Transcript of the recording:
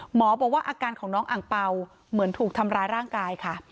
หมอบอกว่าอาการของน้องอังเป่าเหมือนถูกทำร้ายร่างกายค่ะ